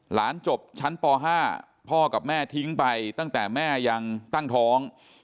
หลานจบชั้นป๕พ่อกับแม่ทิ้งไปตั้งแต่แม่ยังตั้งท้อง